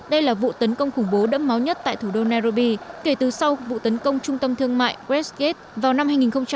đây là vụ tấn công khủng bố đẫm máu nhất tại thủ đô nairobi kể từ sau vụ tấn công trung tâm thương mại westite vào năm hai nghìn một mươi